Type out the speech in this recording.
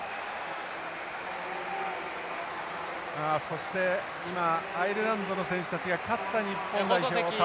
そして今アイルランドの選手たちが勝った日本代表をたたえます。